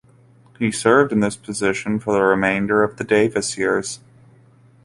He served in this position for the remainder of the Davis years.